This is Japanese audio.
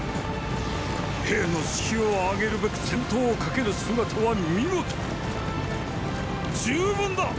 兵の士気を上げるべく先頭を駆ける姿は見事ーー十分だ！